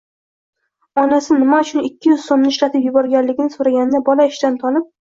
Onasi nima uchun ikki yuz so‘mni ishlatib yuborganligini so‘raganida bola ishidan tonib